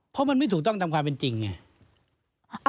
เพราะมันไม่ถูกต้องจำความเป็นจริงเนี่ย